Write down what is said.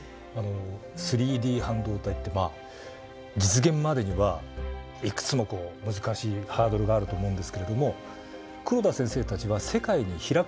３Ｄ半導体って実現までにはいくつも難しいハードルがあると思うんですけれども黒田先生たちは世界に開く